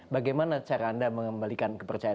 bagaimana cara anda mengembalikan kepercayaan